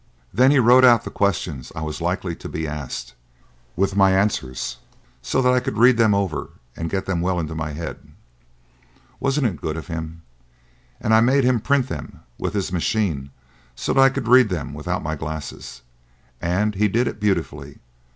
Then he wrote out the questions I was likely to be asked, with my answers, so that I could read them over and get them well into my head. Wasn't it good of him! And I made him print them with his machine so that I could read them without my glasses, and he did it beautifully.